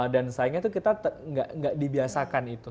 dan sayangnya itu kita tidak dibiasakan itu